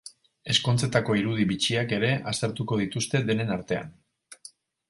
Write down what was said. Ezkontzetako irudi bitxiak ere aztertuko dituzte denen artean.